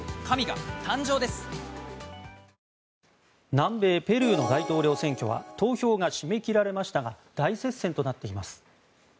南米ペルーの大統領選挙は投票が締め切られましたが大接戦となっています。